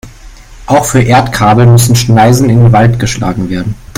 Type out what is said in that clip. Auch für Erdkabel müssen Schneisen in den Wald geschlagen werden.